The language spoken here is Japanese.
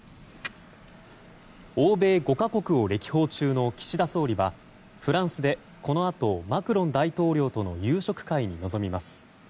欧米５か国を歴訪中の岸田総理はフランスでこのあと、マクロン大統領との夕食会に臨みます。